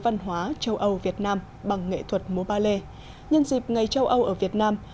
văn hóa châu âu việt nam bằng nghệ thuật múa ba lê nhân dịp ngày châu âu ở việt nam